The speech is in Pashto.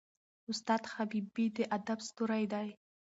استاد حبیبي د ادب ستوری دی.